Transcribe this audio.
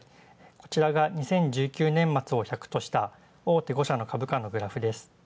こちらが２０１９年末を１００とした、大手５社の株価のグラフです。